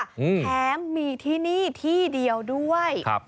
แถมมีที่นี่ที่เดียวด้วยครับ